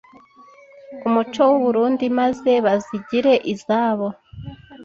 umuco w’u Burunndi maze bazigire izabo